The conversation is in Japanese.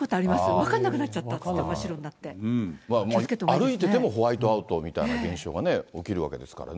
分かんなくなっちゃったって、歩いててもホワイトアウトみたいな現象が起きるわけですからね。